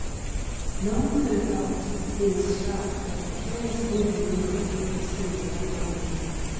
"No one could have helped being struck by the curious incongruity of the scene at that moment.